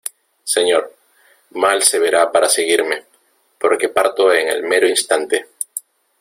señor, mal se verá para seguirme , porque parto en el mero instante.